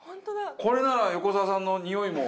これなら横澤さんのにおいも。